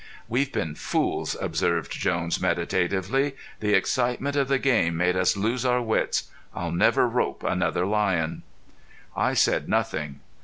"We've been fools," observed Jones, meditatively. "The excitement of the game made us lose our wits. I'll never rope another lion." I said nothing.